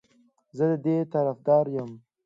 زه د دې طرفدار یم